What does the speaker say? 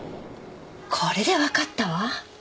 これでわかったわ。